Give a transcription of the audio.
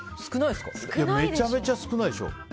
めちゃめちゃ少ないでしょ。